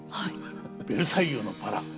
「ベルサイユのばら」。